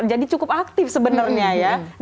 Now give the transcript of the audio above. jadi cukup aktif sebenarnya ya